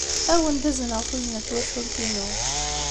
Ad awen-d-azneɣ tugna n twacult-inu.